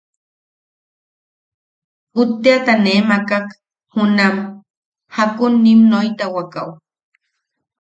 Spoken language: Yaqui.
Utteʼata ne makak junam... jakun nim noitiwakaʼu.